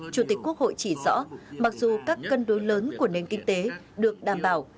chủ tịch quốc hội chỉ rõ mặc dù các cân đối lớn của nền kinh tế được đảm bảo